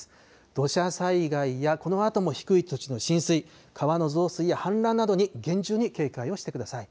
土砂災害やこのあとも低い土地の浸水、川の増水や氾濫などに厳重に警戒をしてください。